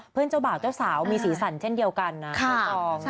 เพื่อนเจ้าบ่าวเจ้าสาวมีสีสันเช่นเดียวกันนะคุณผู้ชมค่ะ